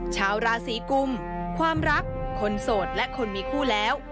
ชาวราศีกุมความรักคนโสดและคนมีคู่แล้ว